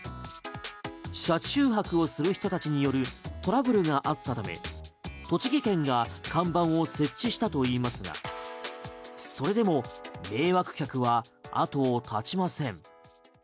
車中泊をする人たちによるトラブルがあったため栃木県が看板を設置したといいますがそれでも迷惑客は後を絶ちません。